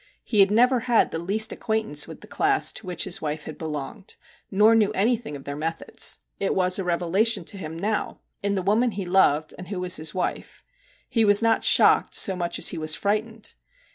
He had never had the least acquaintance with the class to which his wife had belonged, nor knew anything of their methods. It was a revelation to him now in MR. JACK HAMLIN'S MEDIATION 51 the woman he loved, and who was his wife. He was not shocked so much as he was frightened.